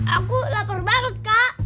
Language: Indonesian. aku lapar banget kak